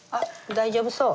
大丈夫そう？